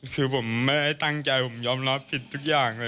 คือผมไม่ได้ตั้งใจผมยอมรับผิดทุกอย่างเลย